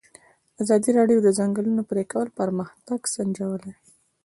ازادي راډیو د د ځنګلونو پرېکول پرمختګ سنجولی.